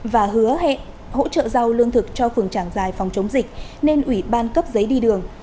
và hứa hệ hỗ trợ rau lương thực cho phường trạng dài phòng chống dịch nên ủy ban cấp giấy đi đường